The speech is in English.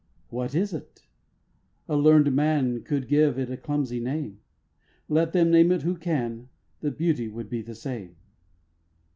2. What is it? a learned man Could give it a clumsy name. Let him name it who can, The beauty would be the same.